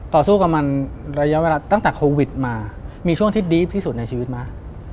ต่อสู้กับมันระยะเวลาตั้งแต่โควิดมามีช่วงที่ดีฟที่สุดในชีวิตไหม